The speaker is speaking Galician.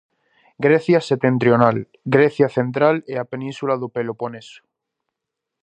Grecia setentrional, Grecia central e a península do Peloponeso.